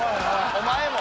お前も？